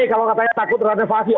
kalau katanya takut renovasi